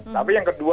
tapi yang kedua